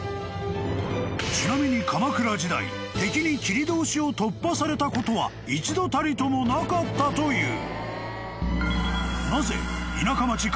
［ちなみに鎌倉時代敵に切通しを突破されたことは一度たりともなかったという］